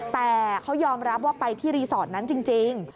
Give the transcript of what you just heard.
แต่เขายอมรับว่าไปที่รีสอร์ทนั้นจริง